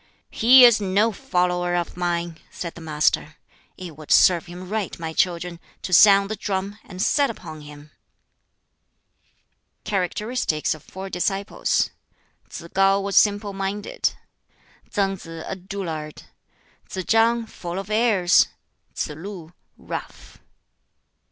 "He is no follower of mine," said the Master. "It would serve him right, my children, to sound the drum, and set upon him." Characteristics of four disciples: Tsz kŠu was simple minded; Tsang Si, a dullard; Tsz chang, full of airs; Tsz lu, rough.